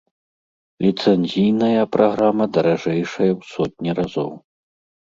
Ліцэнзійная праграма даражэйшая ў сотні разоў.